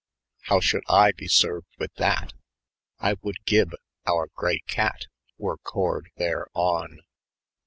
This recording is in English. "Howe schuld I be served with that? I wold gybbe, owre gray catt, Were cord (rere on